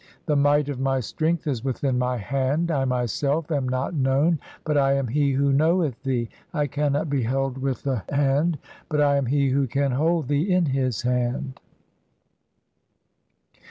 The might "of my strength is within my hand. I myself am not known, "but I am he who knoweth thee. (26) I cannot be held with the "hand, but I am he who can hold thee in his hand.